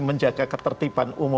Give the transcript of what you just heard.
menjaga ketertiban umum itu